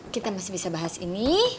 kita masih bisa bahas ini